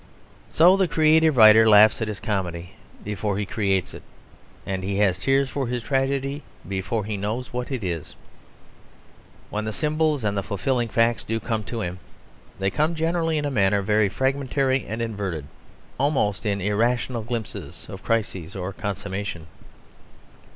So the creative writer laughs at his comedy before he creates it, and he has tears for his tragedy before he knows what it is. When the symbols and the fulfilling facts do come to him, they come generally in a manner very fragmentary and inverted, mostly in irrational glimpses of crisis or consummation.